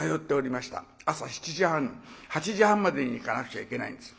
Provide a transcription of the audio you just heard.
朝７時半８時半までに行かなくちゃいけないんです。